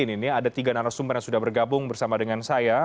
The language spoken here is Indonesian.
ini ada tiga narasumber yang sudah bergabung bersama dengan saya